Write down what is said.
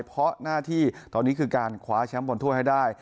เพราะหน้าที่ตอนนี้คือการคว้าแชมป์บนถ้วยให้ได้